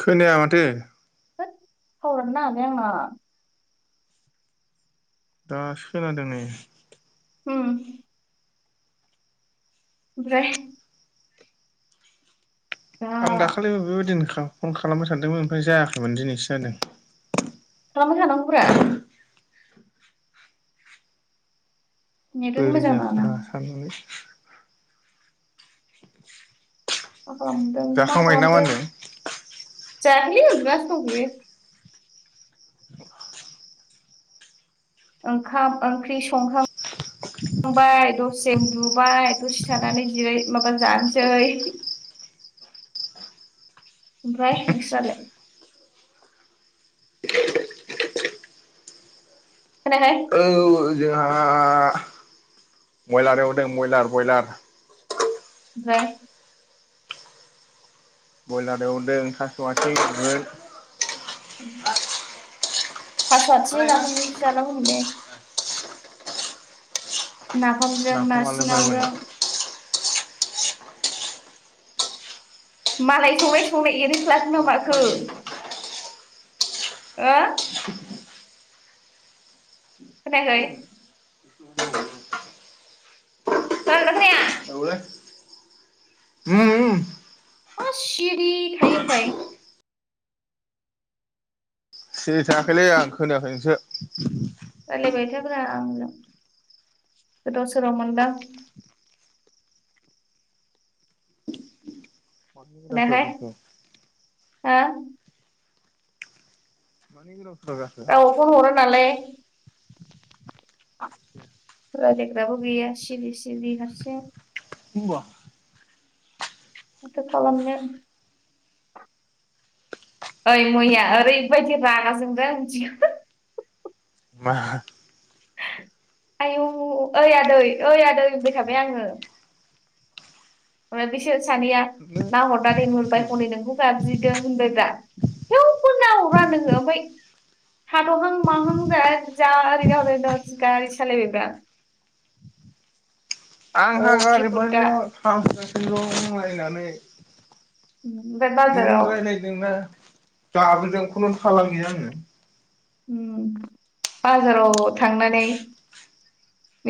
खोनाया माथो थोद थावारआनो नाङा आंना दासो खोनादों नै ओम ओमफ्राय दा आं दाखालिबो बेबायदिनो फन खालामबाय सानदोंमोन ओमफ्राय जायाखैमोन दिनैसो जादों खालामबायथानांगौब्रा नेटआनो बोरै मोजां नाङाना जाखोरा साननानै [inaudible] मा खालामदों मा जाखांबाय ना खालामदों होनदों जायाखैलै उनदुनासो दं थयो ओंखाम ओंख्रि संखांबाय दसेम दुबाय दसे थानानै जिरै माबा जानोसै ओमफ्राय नोंस्रालाय खोनायाखै बो जोंहा बयलार एवदों बयलार बयलार ओमफ्राय ब्रयलार एवदोंओं थास' आथिं संगोन थास आयथिंजों नाफामजोंसो जानांगौमोनलै नाफामजों नाफाम आलु फ्रायमोन नासिनावजों मालाय संनाय संनाय एरैफ्लाखोना माखो हो खोनायाखै खोनादोंना खोनाया उम मा सिरि थायो ओमफाय सिरि थाङाखैलै आं खोनायाखै नोंसो आं गोदाव सोराव मोनदों मा गोदाव सोराव मोनखो हो मानि सोराव जाखो गाव फन हरा नालाय रायलायग्राबो गैया सिरि-सिरि हारसिं बुंबा माथो खालामनो ओइ मैया ओरैबायदि रागा जोंदों मा आयु ओइ आदै ओइ आदै होनाय थाबाय आङो ओमफ्राय बिसोर सानैया नाहरना दैहरबाय हनै नोंखौ गाबज्रिदों होनबाय ब्रा थेवबो नाहरा नोङो ओमफ्राय थाद'हां माहां जाव गारि सालायबायब्रा अ आंहा खेफोदा गारिनिफ्रायनो लिंहर थांसै [unintelligible] ओमफ्राय नों बाजाराव रायज्लायदोंना [unintelligible] खुनु थालानो गैया आङो उं बाजाराव थांनानै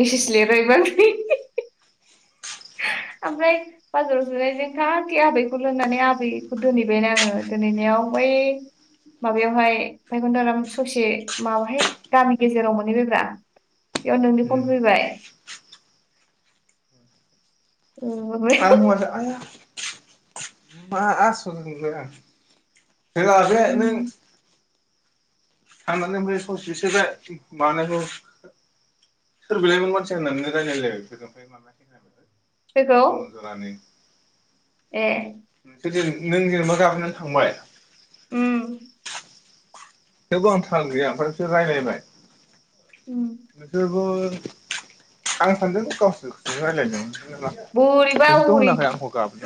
मेसेज लिरहैबा [unintelligible] ओमफ्राय बाजाराव जिरायदों खाथि आबैखौल' दोनहैबायना आङो दोनहैनायाव बै माबायावहाय फायखनराम ससे माबाहाय गामि गेजेराव मोनहैबायब्रा बेयाव नोंनि फन फैबाय उम, ओमफ्राय [unintelligible] मा आस'ल नोंदों आं जहा बे नों उम साननानै ओमफ्राय ससेसो बे मानायखौ सोर बिलायमोन मानसि होननानै रायजलायलायजोंफ्राय मै [inaudible] सोरखौ ए नोंसोर नों जेनेबा गाखोनानै थांबाय उम थेवबो आं थाल गैया ओमफ्राय बिसोर रायज्लायबाय उम बिसोरबो आं सानदों गावसोरखौजों रायजलायदों बोरैबा नोंसोरथ होनाखै हरै आंखौ गाब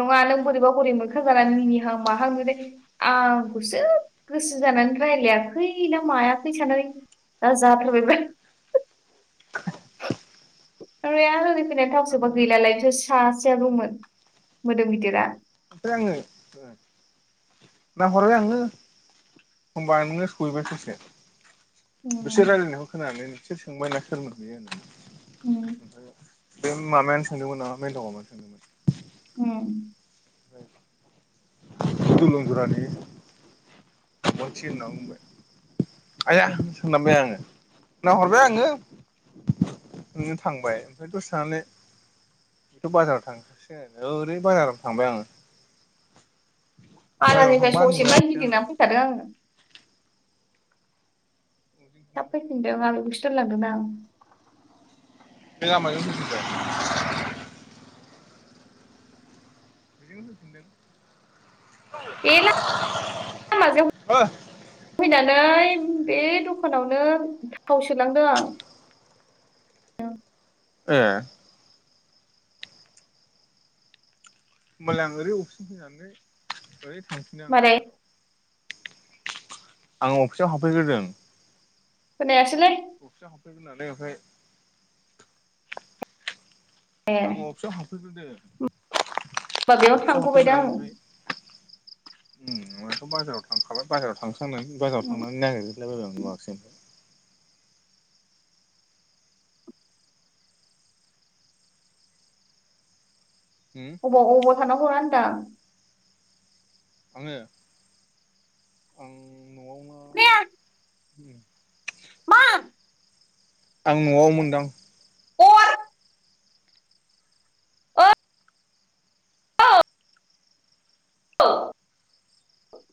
नङा नों बोरैबा बोरै मोखां जानानै मिनिहां माहांदे आंखौसो गोसो जानानै रायज्लायाखै ना मायाखै साननानै दा जाथारबायबा ओरै आं ओरै फैनाय थाव आङो सोबोबा गैलालायथो सासेआ दंमोन मोदोम गिदिरा ओमफ्राय आङो नाहरबाय आंनो होनबा नोङो सहैबाय ससो उम बिसोर रायजलायनायखौ खोनानानै बिसोर सोंबायना सोरमोन बियो उम होननानै बे मामायानो सानदोंमोन नामा माइनावा मा सोंदोंमोन? ओम दलं गुरानि [unintelligible] आइया सोंमनांबाय आङो नाहरबाय आङो नों थांबाय ओमफ्राय दसे थानानै बेथ' बाजाराव थांखासै ओरै बाजाराव थांबाय आङो बाजाराव बाजारनिफ्राइ थांबा ससेमानि नुवाखिसै आङो गिदिंना फैखादों आङो थाब फैफिनदों आाबैखौसो दोनलांदोंना‌ आं बे लामाजों फैफिनबाय बेजोंनो होफिनदों बे ला माजों ओ फैना बे बे दखानावनो थाव सोलांदों आं उम। ए। होमबालाय आं ओरै अफिसजों फैनानै ओरै थांफिनो आं मारै बाजाराव। आं अफिसाव हाबफैग्रोदों। खोनायास अफिसाव हाब फैनानै ओमफाय आं अफिसाव हाबफैग्रोदों। होमबा बेयाव अफिसाव थांथ'बाय दे हाबफैनानै आं। ओमफ्राय उम नोंहाथ' बाजाराव थांखाबाय बाजाराव थांस थांनानै बाजाराव थांनानै नागिरहैला बायबाय आं नुवाखसै ओमफ्राय। अबाव अबाव थाना हरा होनदां? आङो आं न'आवनो उम। आं न'आव मोनदां। अर। ओ औ अ [unintelligible]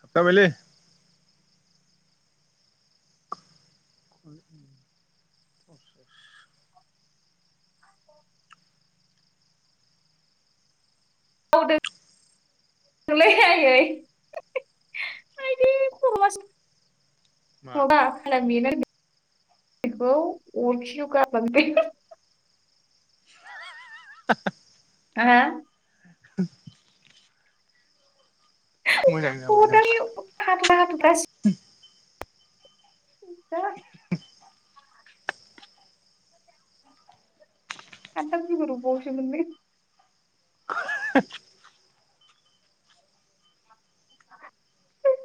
थाबथाबाय लै। उम उम। औ [unintelligible] मावदों लै आइयै आइदै खर'आ मा [unintelligible] बेखौ [unintelligible] [unintelligible] हा? उ [inaudible] मोजां जाबाय दा। दा आमफाय द [inaudible] खानथाल बेगर बावसो मोनलै। [unintelligible]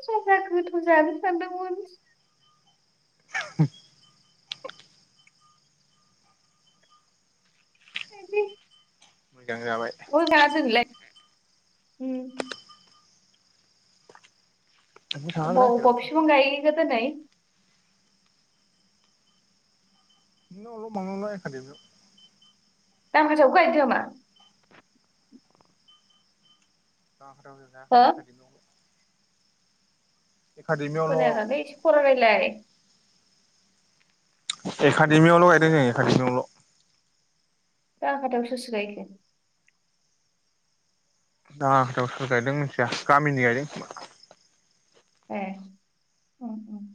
जेब्ला गोथाव जानो सानदोंमोन ह [unintelligible] दे [unintelligible] मोजां जाबाय [unintelligible] उम नोंबो थाङाब्रा अबाव जेरावबो अबाव थाङाखै फिफां गायहैखो दिनै? ओइ बांगारबारि खाथियावसो। दा गोसाखौसो गायहैदों नामा? दावो हो जायो [unintelligible] खोनायानालै एकाडेमियावल' एसे खरा रायलाय एकादेमियावल' गायदों ओ एकाादेमिआवल' दा आफादआव सोर सोर गायखो? दा दाव सोर सोर गायदों मिथिया गामिनि गायदों। ए उम उम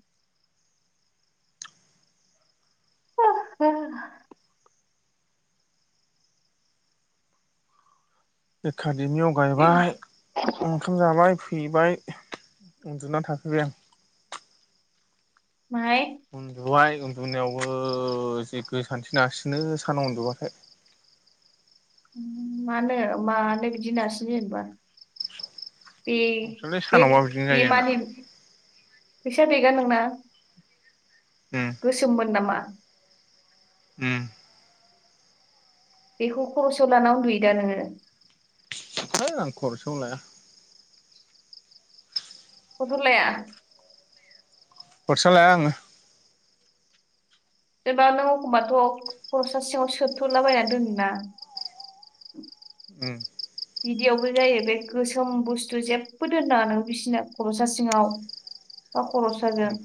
आं हा ए [unintelligible] फादेबनियाव उम। गायबाय ओंखाम जाबाय हैेबाय उन्दुना थाखोबबाय आं माहाय? उन्दुबाय उन्दुनायावबो जि गोसानथि नारसिनो सानाव उन्दुबथाय। मानो मानो बिदि नारसिनो‌ जेनेबा? बे सोरलै बेग सानावबा बिदिनो बे जायो आंना मानि फैसा गैगा नोंना? उम गोसोमोन नामा? उम बेखौ खरसआव लाना उन्दुयोदा नोङो? होद आं खरसायाव लाया। खर सायाव लाया? खरसा लाया आङो। जेनेबा नों एखमबाथ खरसा सिङाव सोथलाबायना दोनोना। उम बिदियावबो जायो बे गोसोम बुस्थु जेबो दोनांआनो बिसिना खरसा सिङाव बा खरसाजों उम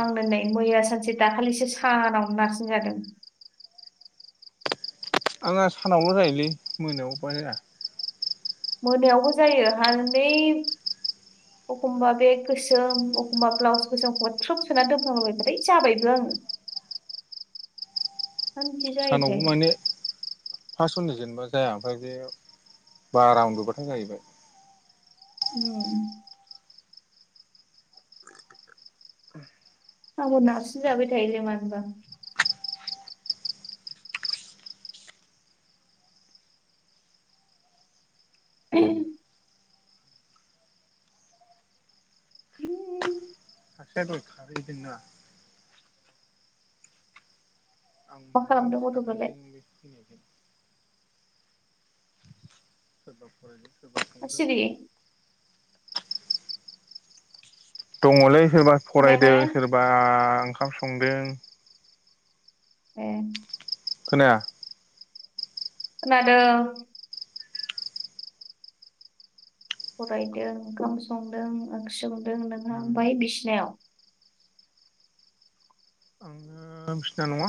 आं नै दोननाय मैया सानसे दाखालिसो सानावनो नारसिन जादों। आंहा सानावल जायोलै मोनायावबा जाया। मोनायावबो जायो हालै एखमबा बेग गोसोम एखमबा ब्लाउस गोसोम एखमबा थ्रोप सोनानै दोनफ्लांबोायबथाय जाबायबो आङो। मा बिदि सानावबो जायोथाय माने फास सननि जेन जाया ओमफ्राय बे बारा उन्दुबाथाय जायो। उम आंबो नारसिन‌ जाबाय थायो मानोबा [unintelligible] आसे थैदि ना [inaudible] मा लुनानै खालामदों गथ'फ्रालाय सिखारनायजों बेखौ फैनायजों सबा फनि [unintelligible] मा सिरि? दङलै सोरबा खोनायाखै फरायदों सोरबा ओंखाम संदों ए खोनाया खोनादों फरायदों ओंखाम संदों ओंख्रि संदों नोंहा ओमफाय बिसिनायाव आं बिसिना नङा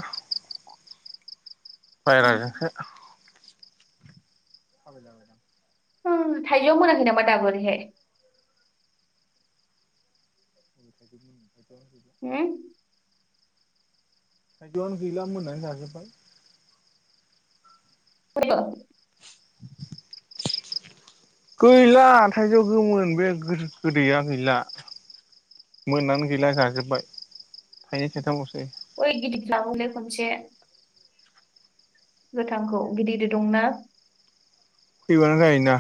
बायरा उम जोंसो आोजांदां [inaudible] थाइजो मोनाखै नामा ओरैहाय उम थायजौआनो गैला मोननानै जाजोब्बाय हेल गैला थाइजौ गोमोन बे गोदैया गैला मोननानै गैला जाजोब्बाय थाइनै थाइथामलसै अय गिल खसे [inaudible] गोथांखौ गिदिर गिदिर दंना फैबानो जायोना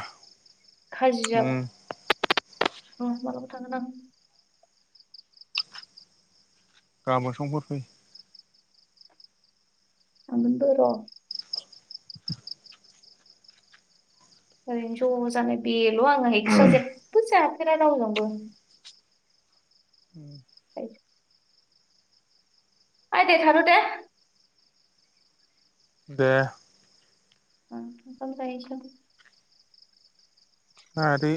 खाजि जाब [unintelligible] गाबोन संफोर फै थांगोन बो र ओरैनो ज' जानाय बेल' आङो एक्सट्रा जेबो जायाखै न दा रावजोंबो [unintelligible] आइ दे थारथ दे दे [unintelligible] आरो